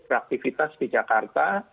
beraktivitas di jakarta